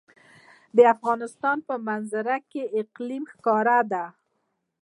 د افغانستان په منظره کې اقلیم ښکاره ده.